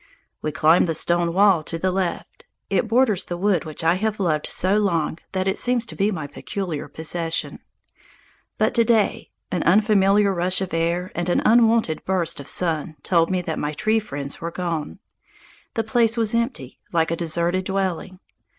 We climbed the stone wall to the left. It borders the wood which I have loved so long that it seems to be my peculiar possession. But to day an unfamiliar rush of air and an unwonted outburst of sun told me that my tree friends were gone. The place was empty, like a deserted dwelling.